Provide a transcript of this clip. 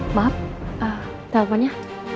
mbak maaf teleponnya